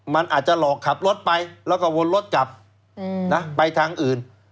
มันอาจจะหลอกขับรถไปแล้วก็วนรถกลับไปทางอื่น